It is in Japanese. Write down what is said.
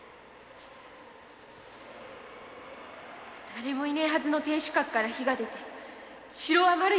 だれもいねぇはずの天守閣から火が出浜路！？